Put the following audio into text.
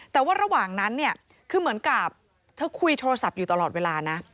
แต่ว่าระหว่างนั้นเนี่ยคือเหมือนกับเธอคุยโทรศัพท์อยู่ตลอดเวลานะ